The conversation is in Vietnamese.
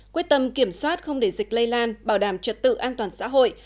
quyết tâm kiểm soát không để dịch lây lan bảo đảm trật tự an toàn xã hội